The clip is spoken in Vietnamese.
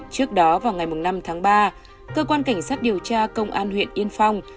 trước đó vào ngày năm tháng ba cơ quan cảnh sát điều tra công an huyện yên phong